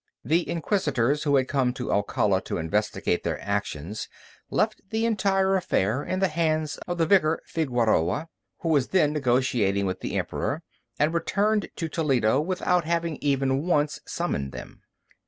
The Inquisitors who had come to Alcala to investigate their actions left the entire affair in the hands of the Vicar Figueroa, who was then negotiating with the Emperor, and returned to Toledo without having even once summoned them.